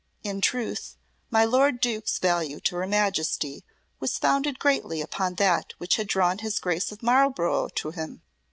In truth, my lord Duke's value to her Majesty was founded greatly upon that which had drawn his Grace of Marlborough to him.